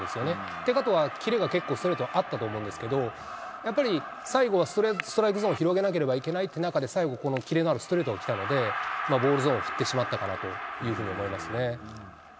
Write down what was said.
ってことはキレが結構、ストレートあったと思うんですけど、やっぱり最後はストライクゾーンを広げなければいけないという中で、最後、このキレのあるストレートが来たので、ボールゾーンを振ってしまったかなというふうに思いますね。